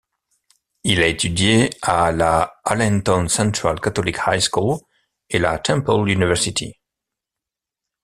Il a étudié à la Allentown Central Catholic High School et la Temple University.